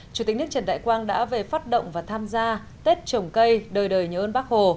chủ tịch nước trần đại quang đã về phát động và tham gia tết trồng cây đời đời nhớ ơn bác hồ